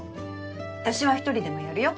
私は１人でもやるよ。